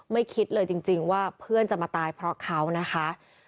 คิดเลยจริงว่าเพื่อนจะมาตายเพราะเขานะคะ